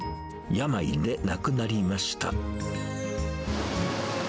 病で亡くなりました。